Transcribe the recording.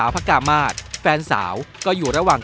พระกามาศแฟนสาวก็อยู่ระหว่าง